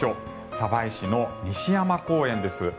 鯖江市の西山公園です。